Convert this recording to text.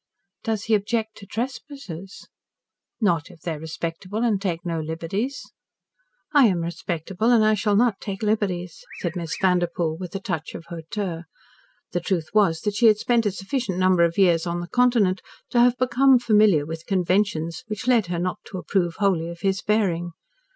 "Does he object to trespassers?" "Not if they are respectable and take no liberties." "I am respectable, and I shall not take liberties," said Miss Vanderpoel, with a touch of hauteur. The truth was that she had spent a sufficient number of years on the Continent to have become familiar with conventions which led her not to approve wholly of his bearing.